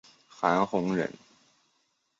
韩弘人。